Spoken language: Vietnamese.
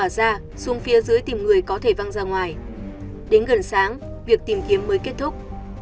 đến gần sáng việc tìm kiếm mới kết thúc